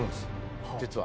実は。